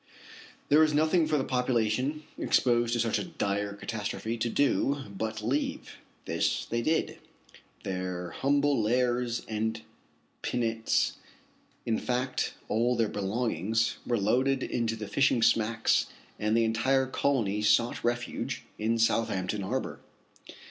There was nothing for the population exposed to such a dire catastrophe to do but leave. This they did. Their humble Lares and Penates, in fact all their belongings, were loaded into the fishing smacks, and the entire colony sought refuge in Southhampton Harbor.